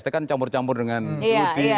es tek kan campur campur dengan judi